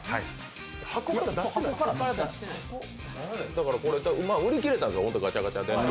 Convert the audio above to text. だから、売り切れたんです、本当はガチャガチャで。